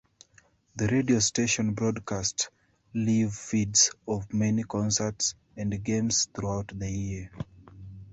The radio station broadcasts live feeds of many concerts and games throughout the year.